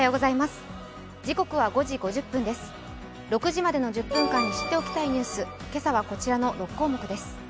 ６時までの１０分間に知っておきたいニュース、今朝はこちらの６項目です。